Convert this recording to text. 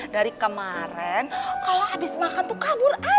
dari kemarin kalau habis makan tuh kabur